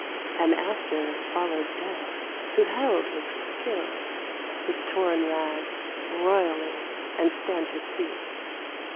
And after followed Death, who held with skill His torn rags, royally, and stamped his feet.